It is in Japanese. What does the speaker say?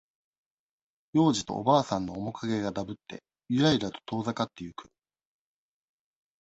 幼児とおばあさんの面影がだぶって、ゆらゆらと遠ざかっていく。